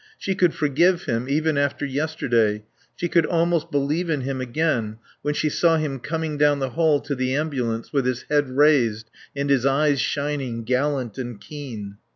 She could forgive him (even after yesterday), she could almost believe in him again when she saw him coming down the hall to the ambulance with his head raised and his eyes shining, gallant and keen.